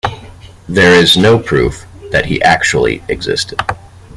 There is no proof that he actually existed.